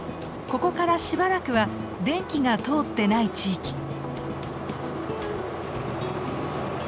ここからしばらくは電気が通ってない地域。